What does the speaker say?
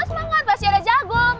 semangat masih ada jagung